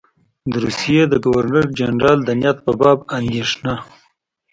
د روسیې د ګورنر جنرال د نیت په باب اندېښنه.